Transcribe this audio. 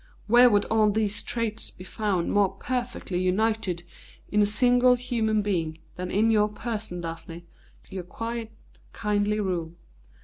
Where would all these traits be found more perfectly united in a single human being than in your person, Daphne, your quiet, kindly rule?"